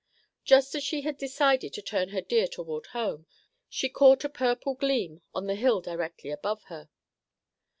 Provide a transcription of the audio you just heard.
Just as she had decided to turn her deer toward home, she caught a purple gleam on the hill directly above her.